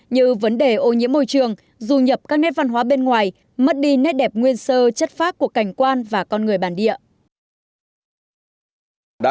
như vấn đề ô nhiễm môi trường du nhập các nét văn hóa bên ngoài mất đi nét đẹp nguyên sơ chất phác của cảnh quan và con người bản địa